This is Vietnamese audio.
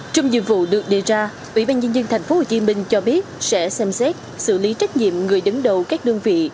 trong nhiệm vụ được đề ra ủy ban nhân dân tp hcm cho biết sẽ xem xét xử lý trách nhiệm người đứng đầu các đơn vị